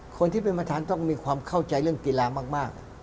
คนที่เป็นประธานต้องมีความเข้าใจเรื่องกีฬามาก